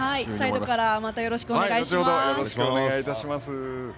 サイドからまたよろしくお願いします。